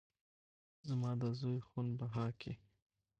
زما د زوى خون بها کې